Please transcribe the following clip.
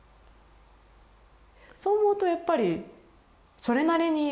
そう思うとやっぱりそれなりにいる。